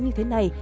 như thế này